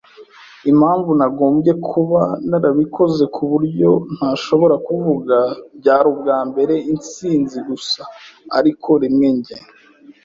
Impamvu nagombye kuba narabikoze kuburyo ntashobora kuvuga. Byari ubwambere instinzi gusa, ariko rimwe njye